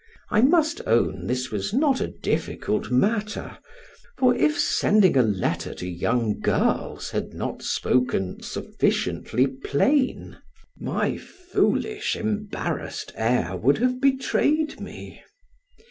I must own this was not a difficult matter, for if sending a letter to young girls had not spoken sufficiently plain, my foolish embarrassed air would have betrayed me.